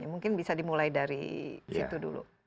mungkin bisa dimulai dari situ dulu